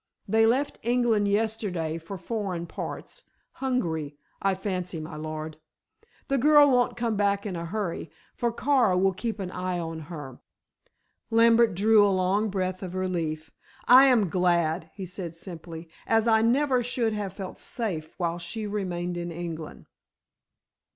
They left England yesterday for foreign parts Hungary, I fancy, my lord. The girl won't come back in a hurry, for Kara will keep an eye on her." Lambert drew a long breath of relief. "I am glad," he said simply, "as I never should have felt safe while she remained in England."